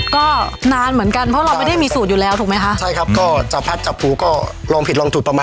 ก็คือว่าผิดเสียไปแล้วเป็นครูให้เราได้ศึกษา